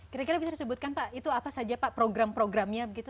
kira kira bisa disebutkan pak itu apa saja pak program programnya gitu